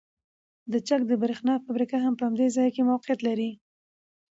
د چک د بریښنا فابریکه هم په همدې ځای کې موقیعت لري